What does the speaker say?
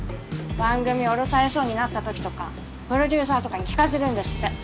番組降ろされそうになったときとかプロデューサーとかに聞かせるんですって。